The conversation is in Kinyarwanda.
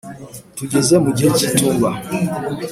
tugeze mugihe cyitumba